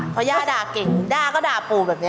พอย่าด่าเก่งด้าก็ด่าปู่แบบนี้